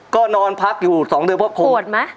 ก็นอนพักอยู่๒เดือนพบคุม